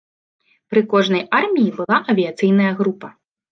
Пры кожнай арміі была авіяцыйная група.